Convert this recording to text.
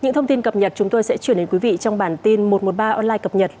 những thông tin cập nhật chúng tôi sẽ chuyển đến quý vị trong bản tin một trăm một mươi ba online cập nhật